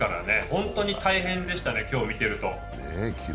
ホントに大変でしたね、今日見てると。